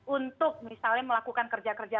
untuk misalnya melakukan kerja kerja